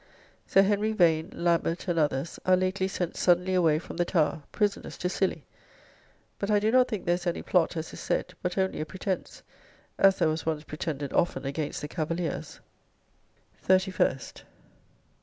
Sir Henry Vane, Lambert, and others, are lately sent suddenly away from the Tower, prisoners to Scilly; but I do not think there is any plot as is said, but only a pretence; as there was once pretended often against the Cavaliers. 31st.